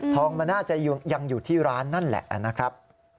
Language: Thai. มันน่าจะยังอยู่ที่ร้านนั่นแหละนะครับ